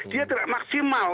dia tidak maksimal